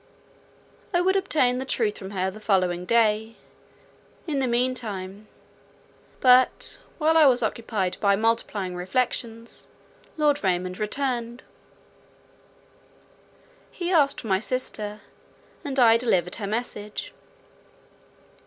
I would obtain the truth from her the following day—in the mean time—But, while I was occupied by multiplying reflections, Lord Raymond returned. He asked for my sister; and I delivered her message.